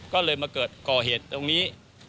ก็เลยมาเกิดก่อเหตุตรงนี้